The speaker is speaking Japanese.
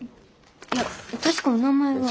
いや確かお名前は。